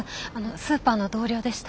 スーパーの同僚でした。